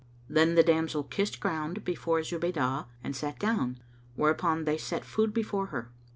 Then the damsel kissed ground before Zubaydah and sat down, whereupon they set food before her.